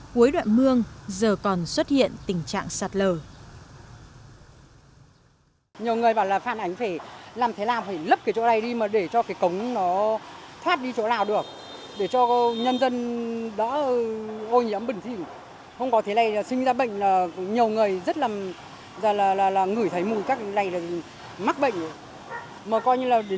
cuối đoạn mương giờ còn xuất hiện tình trạng sạt lờ